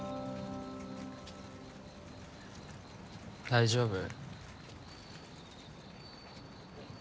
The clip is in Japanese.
大丈夫？